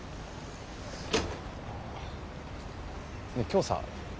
今日さ